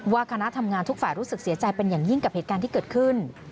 คณะทำงานทุกฝ่ายรู้สึกเสียใจเป็นอย่างยิ่งกับเหตุการณ์ที่เกิดขึ้น